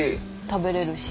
食べれるし。